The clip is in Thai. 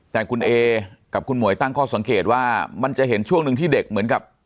แต่คุณเอกับคุณหมวยตั้งข้อสังเกตว่ามันจะเห็นช่วงหนึ่งที่เด็กเหมือนกับ